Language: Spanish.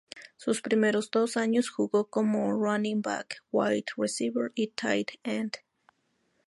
Sus primeros dos años jugó como running back, wide receiver y tight end.